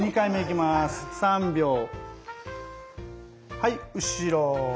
はい後ろ。